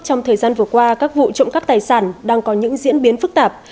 trong thời gian vừa qua các vụ trộm cắp tài sản đang có những diễn biến phức tạp